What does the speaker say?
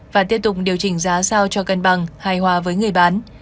và tiếp tục điều chỉnh giá sao cho cân bằng hài hòa với người bán